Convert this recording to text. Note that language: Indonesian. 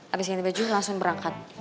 habis ganti baju langsung berangkat